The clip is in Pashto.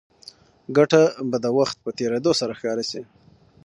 ګټه به د وخت په تېرېدو سره ښکاره شي.